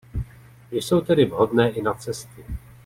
Jsou tedy vhodné i na cesty.